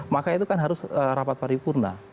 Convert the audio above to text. maka itu kan harus rapat paripurna